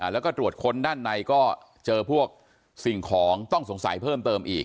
แล้วก็ตรวจค้นด้านในก็เจอพวกสิ่งของต้องสงสัยเพิ่มเติมอีก